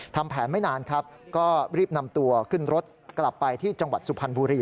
ทำแผนไม่นานครับก็รีบนำตัวขึ้นรถกลับไปที่จังหวัดสุพรรณบุรี